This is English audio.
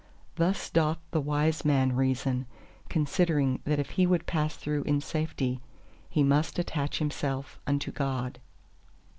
Thus doth the wise man reason, considering that if he would pass through in safety, he must attach himself unto God.